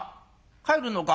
帰るのか？